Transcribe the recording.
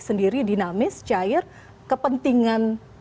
sendiri dinamis cair kepentingan